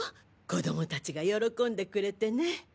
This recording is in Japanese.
子供たちが喜んでくれてね。